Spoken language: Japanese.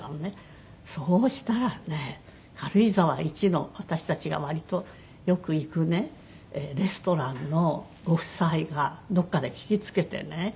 そうしたらね軽井沢一の私たちが割とよく行くねレストランのご夫妻がどこかで聞きつけてね